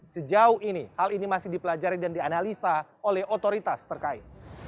sejauh ini hal ini masih dipelajari dan dianalisa oleh otoritas terkait